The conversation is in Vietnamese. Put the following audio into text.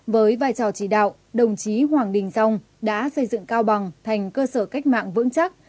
với vai trò chỉ đạo đồng chí hoàng đình dông đã xây dựng cao bằng thành cơ sở cách mạng vững chắc